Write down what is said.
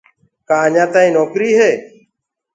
ڪآ اڃآ تآئينٚ نوڪري هي؟